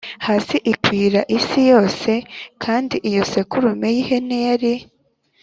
Hasi ikwira isi yose kandi iyo sekurume y ihene yari